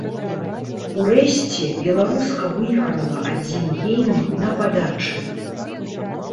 Урэшце беларуска выйграла адзін гейм на падачы.